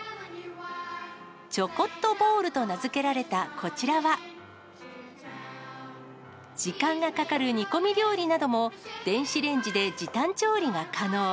ちょこっとボウルと名付けられたこちらは、時間がかかる煮込み料理なども、電子レンジで時短料理が可能。